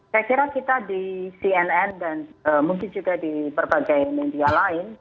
saya kira kita di cnn dan mungkin juga di berbagai media lain